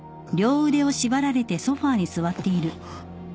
あっ。